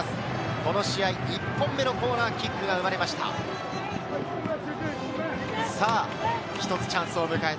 この試合１本目のコーナーキックが生まれました。